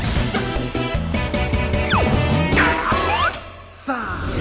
ฟ้า